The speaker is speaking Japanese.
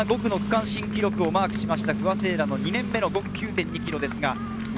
去年、圧倒的な５区の区間新記録をマークしました、不破聖衣来の２年目の５区、９．２ｋｍです。